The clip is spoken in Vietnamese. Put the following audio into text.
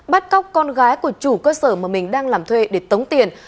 bắt cóc con gái của chủ cơ sở mà mình đang làm thuê để tống tiền